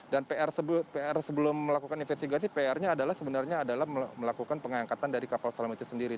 dan pr sebelum melakukan investigasi pr nya adalah sebenarnya adalah melakukan pengangkatan dari kapal selam itu sendiri